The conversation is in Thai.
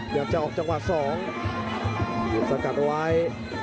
เดี๋ยวจะออกจังหวัด๒สะกัดไว้